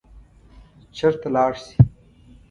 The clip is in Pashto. چېرته لاړ شي.